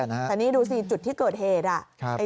แต่นี่ดูสิจุดที่เกิดเหตุ